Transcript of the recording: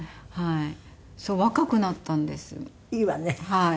はい。